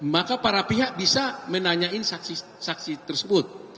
maka para pihak bisa menanyakan saksi saksi tersebut